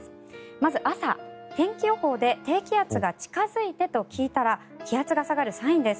まず、朝、天気予報で低気圧が近付いてと聞いたら気圧が下がるサインです。